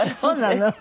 そうなの？